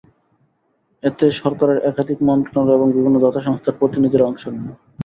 এতে সরকারের একাধিক মন্ত্রণালয় এবং বিভিন্ন দাতা সংস্থার প্রতিনিধিরা অংশ নেন।